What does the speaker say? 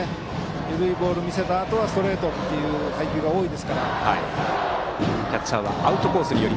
緩いボールを見せたあとはストレートという配球が多いですから。